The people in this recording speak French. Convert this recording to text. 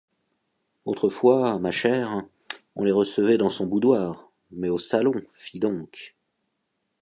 Autrefois, ma chère, on les recevait dans son boudoir ; mais au salon, fi donc!